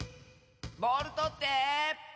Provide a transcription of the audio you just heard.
ボールとって！